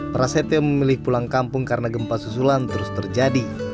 prasetyo memilih pulang kampung karena gempa susulan terus terjadi